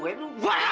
gue tau ntar lu